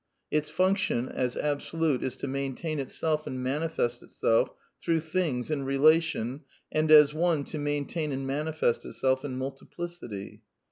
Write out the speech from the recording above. Its function, as Absolute, is to maintain itself and manifest itself through things in rela tion, and, as One, to maintain and manifest itself in multi plicity.